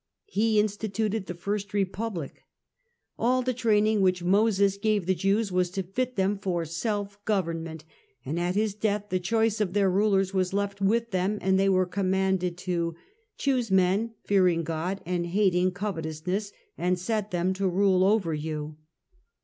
He instituted the first republic. All the training which Moses gave the Jews was to fit them for self government, and at his death the choice of their rulers was left with them and they were commanded to "Choose men, fearing God and hating coveteous ness, and set them to rule over you."